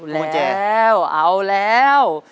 แล้วเอาแล้ว